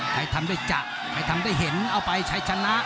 ใครทำได้จะใครทำได้เห็นเอาไปใช้ชนะ